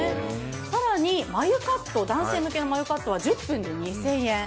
更に眉カット、男性向けの眉カットは１０分で２０００円。